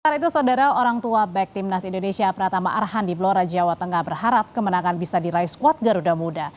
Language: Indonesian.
sementara itu saudara orang tua back timnas indonesia pratama arhan di blora jawa tengah berharap kemenangan bisa diraih squad garuda muda